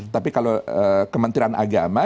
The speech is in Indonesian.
tapi kalau kementerian agama